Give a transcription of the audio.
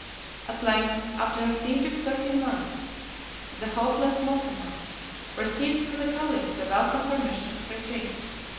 At length, after a siege of thirteen months, 14 the hopeless Moslemah received from the caliph the welcome permission of retreat.